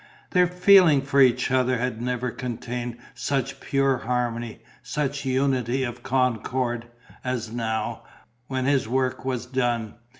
Their feeling for each other had never contained such pure harmony, such unity of concord, as now, when his work was done.